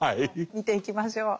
見ていきましょう。